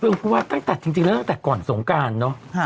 เรื่องผู้ว่าจริงแล้วตั้งแต่ก่อนสงการเนอะ